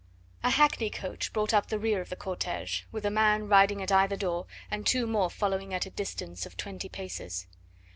A hackney coach brought up the rear of the cortege, with a man riding at either door and two more following at a distance of twenty paces.